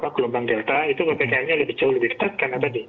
gelombang delta itu ppkm nya lebih jauh lebih ketat karena tadi